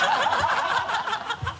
ハハハ